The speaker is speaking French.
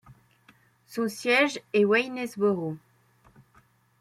Son siège est Waynesboro.